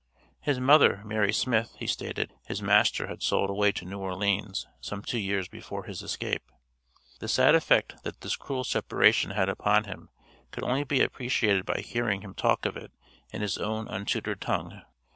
His mother, Mary Smith, he stated, his master had sold away to New Orleans, some two years before his escape. The sad effect that this cruel separation had upon him could only be appreciated by hearing him talk of it in his own untutored tongue.